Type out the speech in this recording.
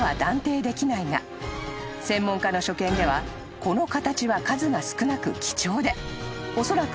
［専門家の所見ではこの形は数が少なく貴重でおそらく］